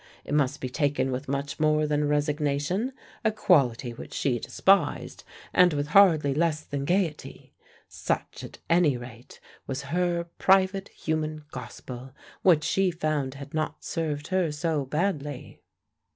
It must be taken with much more than resignation a quality which she despised and with hardly less than gaiety. Such at any rate was her private human gospel, which she found had not served her so badly.